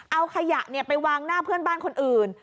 เอาขยะไปวางหน้าเพื่อนบ้านคนอื่น